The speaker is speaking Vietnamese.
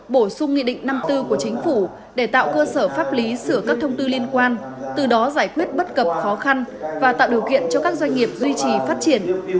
bổ sung nghị định năm bốn của chính phủ để tạo cơ sở pháp lý sửa các thông tư liên quan từ đó giải quyết bất cập khó khăn và tạo điều kiện cho các doanh nghiệp duy trì phát triển